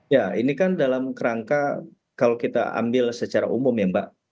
ya ini kan dalam kerangka kalau kita ambil secara umum ya mbak